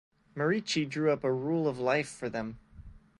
Merici drew up a Rule of Life for them.